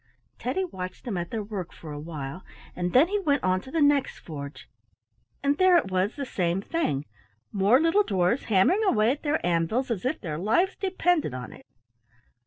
Teddy watched them at their work for a while, and then he went on to the next forge, and there it was the same thing — more little dwarfs hammering away at their anvils as if their lives depended on it.